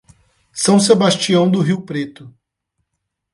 São Sebastião do Rio Preto